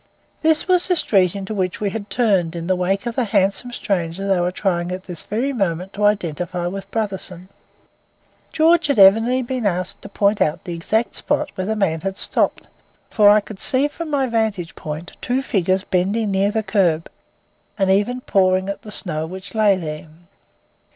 This was the street into which we had turned, in the wake of the handsome stranger they were trying at this very moment to identify with Brotherson. George had evidently been asked to point out the exact spot where the man had stopped, for I could see from my vantage point two figures bending near the kerb, and even pawing at the snow which lay there.